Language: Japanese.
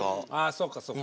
そうかそうか。